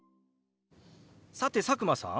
さて佐久間さん